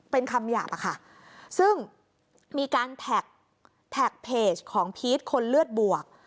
เป็นคำหยาบอะค่ะซึ่งมีการแท็กแท็กเพจของพีชคนเลือดบวก